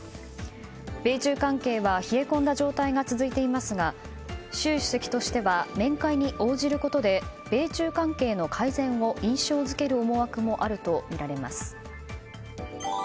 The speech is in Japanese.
米中関係は冷え込んだ状態が続いていますが習主席としては面会に応じることで米中関係の改善を印象付ける思惑もあるとみられます。